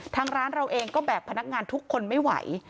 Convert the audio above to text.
ทางร้านเราเองก็แบกพนักงานทุกคนไม่ไหว